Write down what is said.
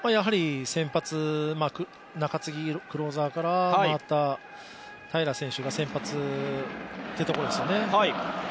先発、中継ぎ、クローザーから回った平良選手が先発というところですよね。